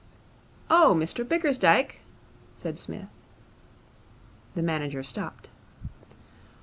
'Oh, Mr Bickersdyke,' said Psmith. The manager stopped.